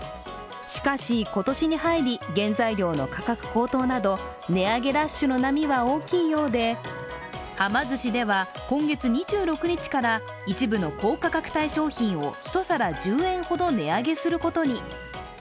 しかし、今年に入り原材料の価格高騰など値上げラッシュの波は大きいようで、はま寿司では今月２６日から、一部の高価格帯商品を一皿１０円ほど値上げすることに。